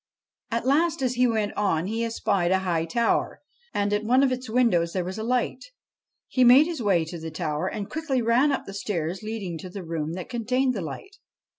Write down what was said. At last, as he went on, he espied a high tower, and, at one of its windows, there was a light. He made his way to this tower, and quickly ran up the stairs leading to the room that contained the light.